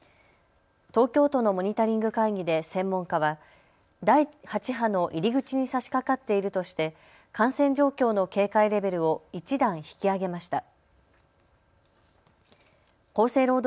東京都のモニタリング会議で専門家は第８波の入り口にさしかかかっているとして感染状況の警戒レベルを１段引き上げました。